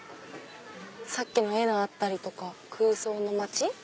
さっきの絵があったりとか空想の街。